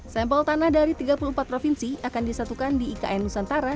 sampel tanah dari tiga puluh empat provinsi akan disatukan di ikn nusantara